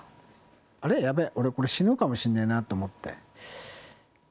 あれやべえ、俺、死ぬかもしれないなと思って。